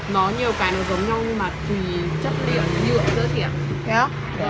nó nhiều cái nó giống nhau nhưng mà tùy chất liệu nhựa giới thiệu